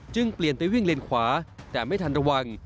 เปลี่ยนไปวิ่งเลนขวาแต่ไม่ทันระวัง